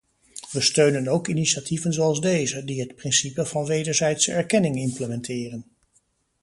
We steunen ook initiatieven zoals deze, die het principe van wederzijdse erkenning implementeren.